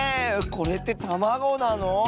これってたまごなの？